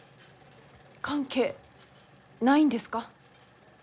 関係ないんですか？